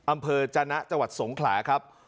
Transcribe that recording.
อำเภอจนะจังหวัดสงขลาครับ